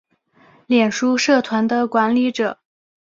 脸书社团的管理者